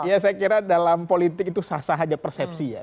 ya saya kira dalam politik itu sah sah aja persepsi ya